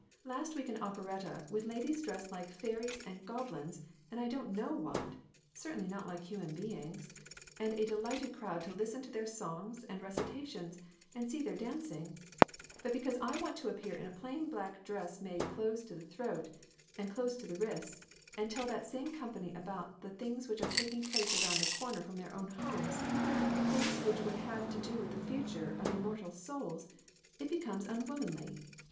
Last week an operetta, with ladies dressed like fairies, and goblins, and I don't know what certainly not like human beings, and a delighted crowd to listen to their songs and reci tations, and see their dancing ; but because I want to appear in a plain black dress made close to the throat, and close to the wrists, and tell that same company about the things which are taking place around the corner from their own homes, things which have to do with the future of immortal souls, it becomes unwomanly!